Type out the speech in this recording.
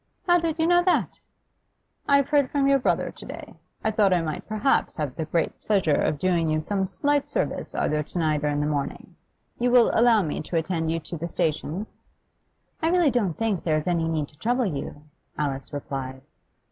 'How did you know that?' 'I have heard from your brother to day. I thought I might perhaps have the great pleasure of doing you some slight service either to night or in the morning. You will allow me to attend you to the station?' 'I really don't think there's any need to trouble you,' Alice replied.